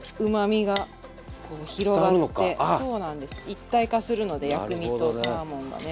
一体化するので薬味とサーモンがね。